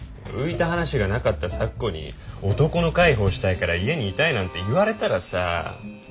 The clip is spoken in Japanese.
浮いた話がなかった咲子に男の介抱したいから家にいたいなんて言われたらさ。